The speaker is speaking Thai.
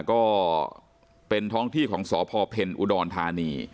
ก็เป็นท้องที่ของสพเพ็ญอุดรธานี